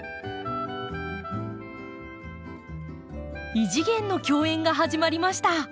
異次元の競演が始まりました。